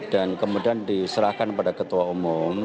dan kemudian diserahkan kepada ketua umum